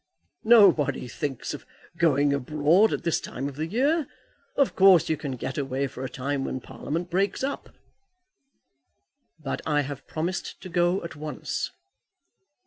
"Nobody thinks of going abroad at this time of the year. Of course, you can get away for a time when Parliament breaks up." "But I have promised to go at once."